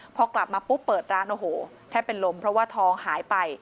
พอกลับมาปุ๊บเปิดร้านโอ้โหแทบเป็นลมเพราะว่าทองหายไป